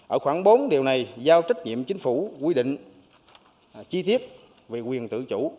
ở khoảng bốn điều này giao trách nhiệm chính phủ quy định chi tiết về quyền tự chủ